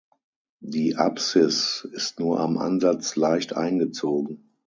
Die Apsis ist nur am Ansatz leicht eingezogen.